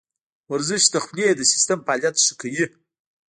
ورزش د خولې د سیستم فعالیت ښه کوي.